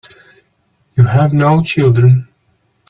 You have no children.